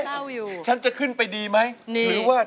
แต่จริงเราไม่อยากให้กลับแบบนั้น